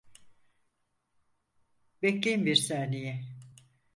Bekleyin bir saniye!